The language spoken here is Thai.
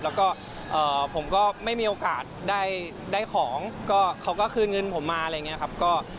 แล้วก็ผมก็ไม่มีโอกาสได้ของก็เขาก็คืนเงินผมมาอะไรอย่างนี้ครับ